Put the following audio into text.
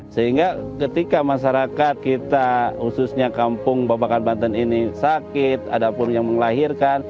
sehingga ketika masyarakat kita khususnya kampung babakan banten ini sakit ada pun yang melahirkan